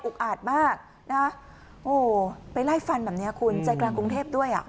อาจมากนะโอ้โหไปไล่ฟันแบบนี้คุณใจกลางกรุงเทพด้วยอ่ะ